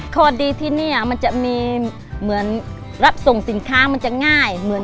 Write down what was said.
พอดีที่นี่มันจะมีเหมือนรับส่งสินค้ามันจะง่ายเหมือน